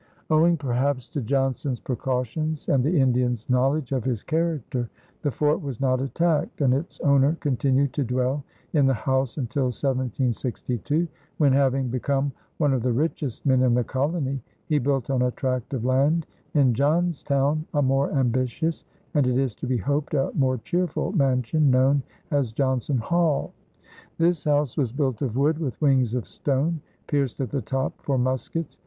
Owing perhaps to Johnson's precautions and the Indian's knowledge of his character, the fort was not attacked and its owner continued to dwell in the house until 1762, when, having become one of the richest men in the colony, he built on a tract of land in Johnstown a more ambitious, and, it is to be hoped, a more cheerful mansion known as Johnson Hall. This house was built of wood with wings of stone, pierced at the top for muskets.